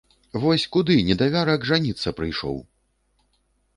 Вось куды, недавярак, жаніцца прыйшоў!